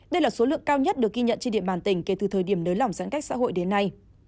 đây là số lượng cao nhất được ghi nhận trên địa bàn tỉnh kể từ thời điểm nới lỏng giãn cách xã hội đến nay